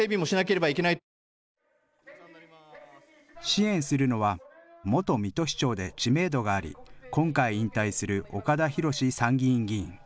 支援するのは元水戸市長で知名度があり今回、引退する岡田広参議院議員。